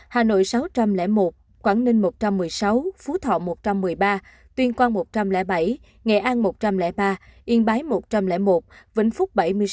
hà nội sáu trăm linh một quảng ninh một trăm một mươi sáu phú thọ một trăm một mươi ba tuyên quang một trăm linh bảy nghệ an một trăm linh ba yên bái một trăm linh một vĩnh phúc bảy mươi sáu